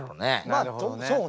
まあそうね。